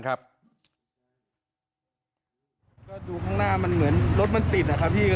ก็ดูข้างหน้ามันเหมือนรถมันติดนะครับพี่